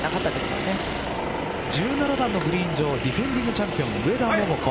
１７番のグリーン上ディフェンディングチャンピオン上田桃子。